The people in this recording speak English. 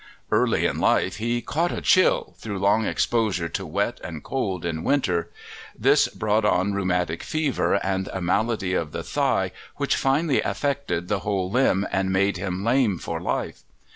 Early in life he "caught a chill" through long exposure to wet and cold in winter; this brought on rheumatic fever and a malady of the thigh, which finally affected the whole limb and made him lame for life.